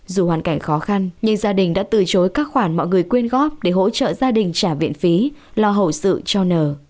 dù hoàn cảnh khó khăn nhưng gia đình đã từ chối các khoản mọi người quyên góp để hỗ trợ gia đình trả viện phí lo hậu sự cho n